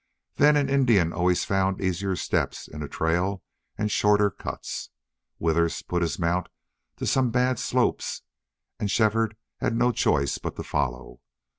Then an Indian always found easier steps in a trail and shorter cuts. Withers put his mount to some bad slopes, and Shefford had no choice but to follow.